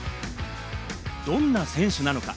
どんな選手なのか？